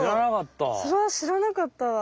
それは知らなかったわ！